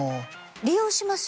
利用します？